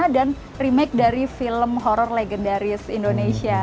dan remake dari film horror legendaris indonesia